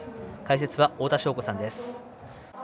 解説は太田渉子さんです。